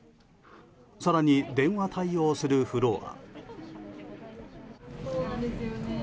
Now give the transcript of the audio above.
更に電話対応するフロア。